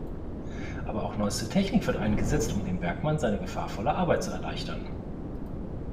Aber auch neueste Technik wird eingesetzt, um dem Bergmann seine gefahrvolle Arbeit zu erleichtern.